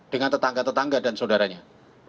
dengan tetangga tetangga dan saudaranya